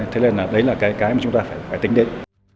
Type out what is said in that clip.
thế nên là đấy là cái mà chúng ta phải tính đến